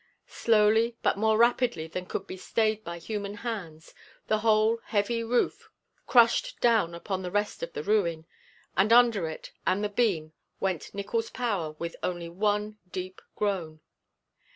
Slowly, but more rapidly than could be stayed by human hands, the whole heavy roof crushed down upon the rest of the ruin; and under it and the beam went Nickols Powers with only one deep groan.